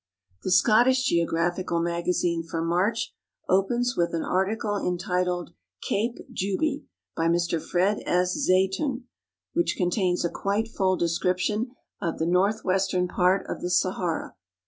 llie Scottisli (ieographical Magazine for March ojjens with an ailicle en titled "Cape Juby," by Mr Fred S. Zaytoun, which contains a quite full description of the northwestern part of the Sahara.